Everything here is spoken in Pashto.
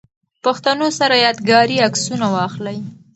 پښتنو سره ياد ګاري عکسونه واخلئ